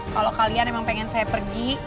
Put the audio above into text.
kalau kalian emang pengen saya pergi